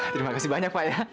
terima kasih banyak pak ya